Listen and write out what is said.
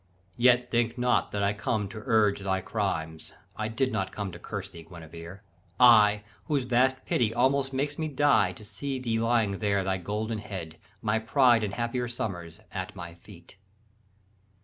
'Yet think not that I come to urge thy crimes, I did not come to curse thee, Guinevere, I, whose vast pity almost makes me die To see thee laying there thy golden head, My pride in happier summers, at my feet.